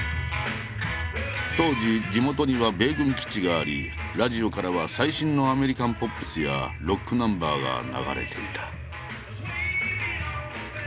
当時地元には米軍基地がありラジオからは最新のアメリカンポップスやロックナンバーが流れていた。